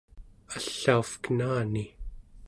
allauvkenani